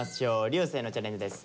流星のチャレンジです。